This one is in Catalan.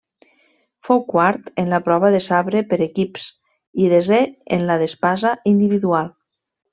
Fou quart en la prova de sabre per equips i desè en la d'espasa individual.